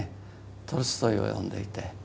トルストイを読んでいて。